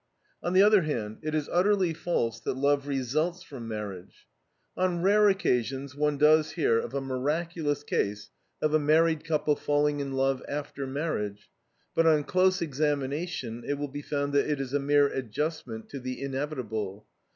On the other hand, it is utterly false that love results from marriage. On rare occasions one does hear of a miraculous case of a married couple falling in love after marriage, but on close examination it will be found that it is a mere adjustment to the inevitable.